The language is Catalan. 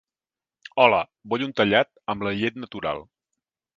Hola, vull un tallat, amb la llet natural.